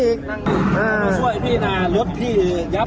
อุ้มมาจากรถเนี่ยแหละ